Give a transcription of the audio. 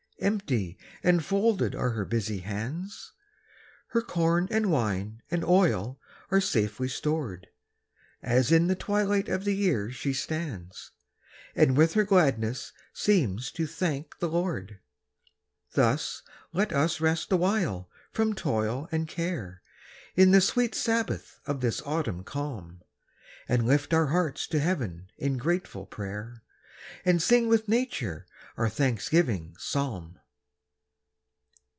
Empty and folded are her busy hands; Her corn and wine and oil are safely stored, As in the twilight of the year she stands, And with her gladness seems to thank the Lord. Thus let us rest awhile from toil and care, In the sweet sabbath of this autumn calm, And lift our hearts to heaven in grateful prayer, And sing with nature our thanksgiving psalm.